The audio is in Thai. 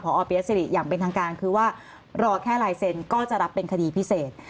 พอเปียสิริอย่างเป็นทางการคือว่ารอแค่ลายเซ็นก็จะรับเป็นคดีพิเศษ